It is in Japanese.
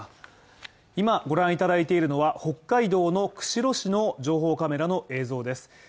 今ご覧いただいているのは、北海道の釧路市の情報カメラの映像です